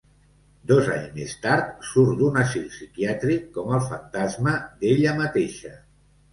Dos anys més tard, surt d'un asil psiquiàtric com el fantasma d'ella mateixa.